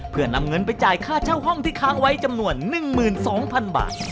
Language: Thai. เพื่อนำเงินไปจ่ายค่าเช่าห้องที่ค้างไว้จำนวน๑๒๐๐๐บาท